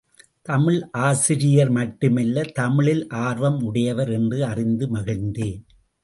தமிழ் ஆசிரியர் மட்டு மல்ல தமிழில் ஆர்வம் உடையவர் என்று அறிந்து மகிழ்ந்தேன்.